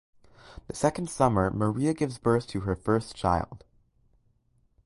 The second summer Maria gives birth to her first child.